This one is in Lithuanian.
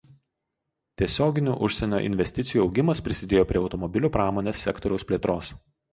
Tiesioginių užsienio investicijų augimas prisidėjo prie automobilių pramonės sektoriaus plėtros.